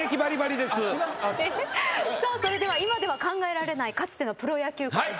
それでは今では考えられないかつてのプロ野球界の常識。